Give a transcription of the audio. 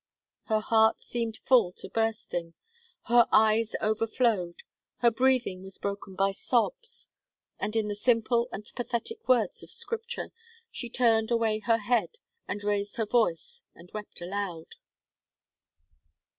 Her heart seemed full to bursting; her eyes overflowed, her breathing was broken by sobs, and in the simple and pathetic words of Scripture, she turned away her head, and raised her voice and wept aloud.